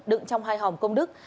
đựng trong hai hòm công đức